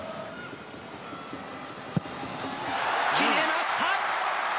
決めました。